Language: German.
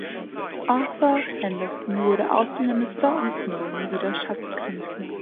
Arthur Henderson wurde Außenminister und Snowden wieder Schatzkanzler.